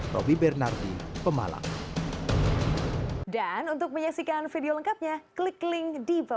robby bernardi pemalang